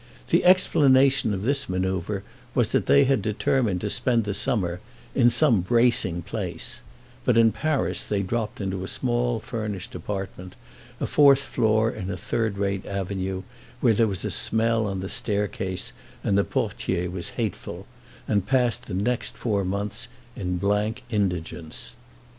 The explanation of this manœuvre was that they had determined to spend the summer "in some bracing place"; but in Paris they dropped into a small furnished apartment—a fourth floor in a third rate avenue, where there was a smell on the staircase and the portier was hateful—and passed the next four months in blank indigence.